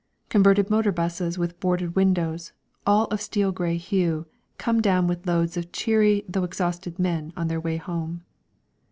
Converted motor buses with boarded windows, all of steel grey hue, come down with loads of cheery though exhausted men on their way home.